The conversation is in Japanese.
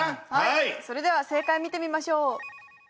それでは正解見てみましょう。